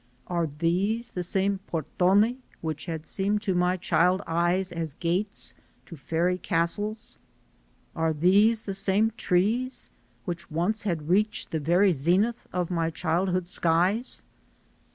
Are these the same "portoni" which had seemed to my child eyes as gates to fairy castles? Are these the same trees which once had reached the very zenith of my child hood skies?